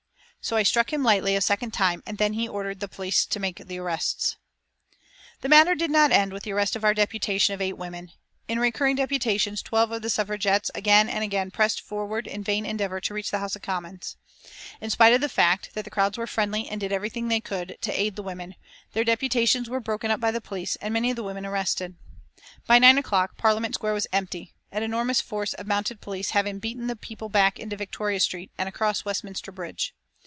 So I struck him lightly a second time, and then he ordered the police to make the arrests. The matter did not end with the arrest of our deputation of eight women. In recurring deputations of twelve the Suffragettes again and again pressed forward in vain endeavour to reach the House of Commons. In spite of the fact that the crowds were friendly and did everything they could to aid the women, their deputations were broken up by the police and many of the women arrested. By nine o'clock Parliament Square was empty, an enormous force of mounted police having beaten the people back into Victoria Street and across Westminster Bridge.